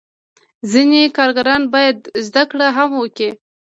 ځینې کارګران باید زده کړه هم وکړي.